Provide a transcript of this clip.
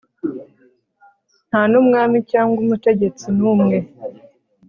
nta n'umwami cyangwa umutegetsi n'umwe